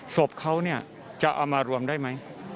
ศพเขาจะเอามารวมได้ไหม